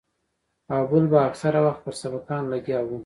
او بل به اکثره وخت پر سبقانو لګيا وو.